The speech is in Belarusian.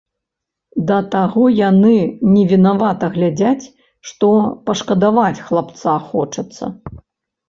Да таго яны невінавата глядзяць, што пашкадаваць хлапца хочацца.